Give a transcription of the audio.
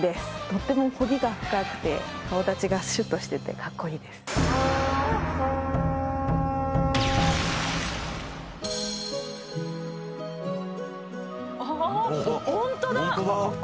とっても彫りが深くて顔立ちがシュッとしててかっこいいですあっ